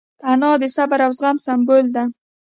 انا د صبر او زغم سمبول ده